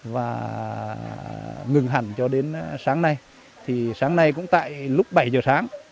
và ngừng hẳn cho đến sáng nay thì sáng nay cũng tại lúc bảy giờ sáng